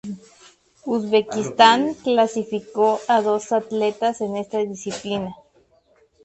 Uzbekistán clasificó a dos atletas en esta disciplina.